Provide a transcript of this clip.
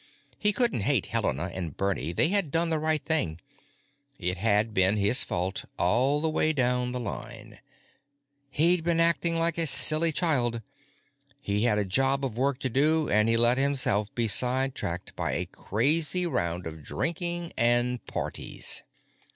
He couldn't hate Helena and Bernie; they had done the right thing. It had been his fault, all the way down the line. He'd been acting like a silly child; he'd had a job of work to do, and he let himself be sidetracked by a crazy round of drinking and parties.